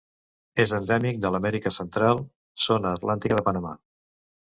És endèmic de l'Amèrica Central: zona atlàntica de Panamà.